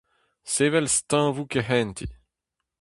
Sevel steuñvoù kehentiñ.